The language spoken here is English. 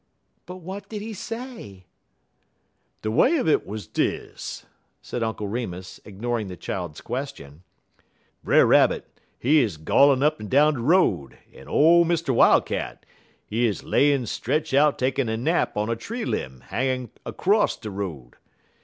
"But what did he say?" "De way un it wuz dis," said Uncle Remus, ignoring the child's question, "Brer Rabbit, he 'uz gallin' up down de road, en ole Mr. Wildcat, he 'uz layin' stretch' out takin' a nap on a tree lim' hangin' 'crosst de road.